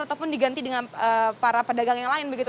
ataupun diganti dengan para pedagang yang lain begitu